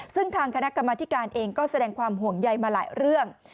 ซึ่งทางคณะกรรมธิการเองก็แสดงความห่วงใยมาหลายเรื่อง